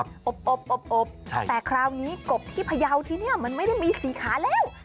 อบแต่คราวนี้กบที่พยาวที่นี่มันไม่ได้มีสีขาแล้ว